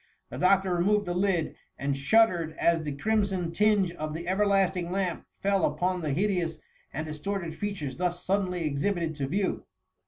The doctor removed the lid, and shuddered as the crimson tinge of the everlasting lamp fell upon the hideous and distorted features thus suddenly exhibited to view.